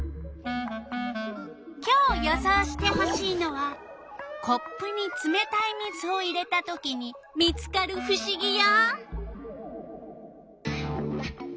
今日予想してほしいのはコップにつめたい水を入れたときに見つかるふしぎよ！